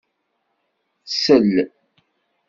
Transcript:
Sel...